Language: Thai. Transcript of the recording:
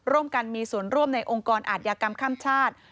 ร่วมกันมีส่วนร่วมในองค์กรอาธิกรรมข้ามชาติ